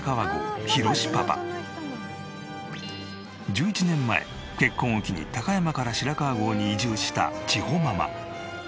１１年前結婚を機に高山から白川郷に移住した千帆ママ。